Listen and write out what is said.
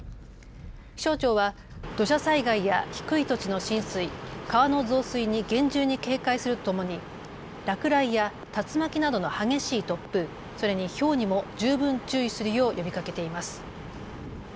気象庁は土砂災害や低い土地の浸水、川の増水に厳重に警戒するとともに落雷や竜巻などの激しい突風、それにひょうにも十分注意するよう呼びかけています。